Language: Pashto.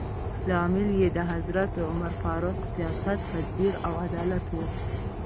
لامل یې د حضرت عمر فاروق سیاست، تدبیر او عدالت و.